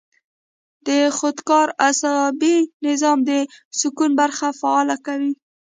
د خودکار اعصابي نظام د سکون برخه فعاله کوي -